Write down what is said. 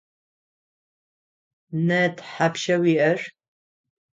Нэ тхьапша уиӏэр?